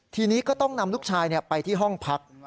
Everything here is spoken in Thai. ทีนี้ก็ต้องนำลูกชายไปที่ห้องพัก